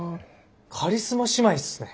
カリスマ姉妹っすね。